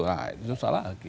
nah itu salah lagi